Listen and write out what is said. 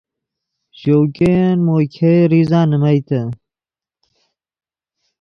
ژؤ ګئین مو ګئے ریزہ نیمئیتے